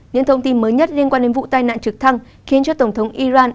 những thông tin mới nhất liên quan đến vụ tai nạn trực thăng khiến cho tổng thống iran